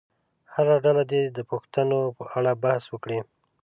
هره ډله دې د پوښتنو په اړه بحث وکړي.